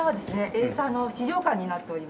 エイサーの資料館になっております。